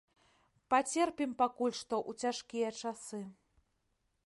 Пацерпім пакуль што, у цяжкія часы.